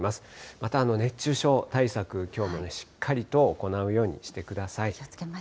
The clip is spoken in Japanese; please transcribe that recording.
また熱中症対策、きょうもしっかりと行うようにしてください。